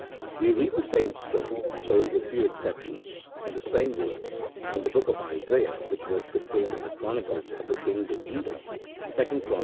We read the same story, told with few exceptions ' in the same words, in the book of Isaiah which was contained in the chronicles of the kings of Judah (2 Chron.